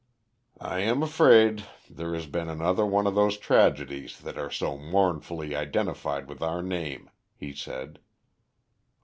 "I am afraid there has been another of those tragedies that are so mournfully identified with our name," he said.